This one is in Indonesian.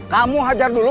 kamu hajar dulu